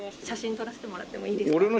写真撮らせてもらってもいいですか？